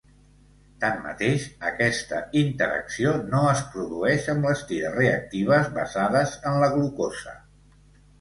Tanmateix, aquesta interacció no es produeix amb les tires reactives basades en la glucosa.